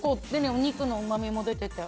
お肉のうまみも出てて。